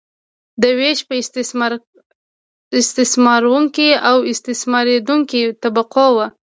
دا ویش په استثمارونکې او استثماریدونکې طبقو وو.